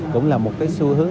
cũng là một xu hướng